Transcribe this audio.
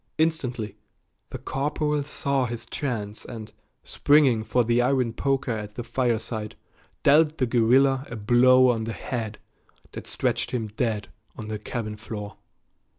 Instantly the corporal saw his chance and, springing for the iron poker at the fireside, dealt the guerrilla a blow on the head that stretched him dead on the cabin floor.